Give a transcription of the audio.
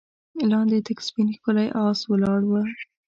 لاندې تک سپين ښکلی آس ولاړ و.